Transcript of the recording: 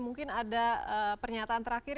mungkin ada pernyataan terakhir